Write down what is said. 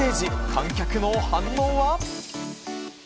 観客の反応は。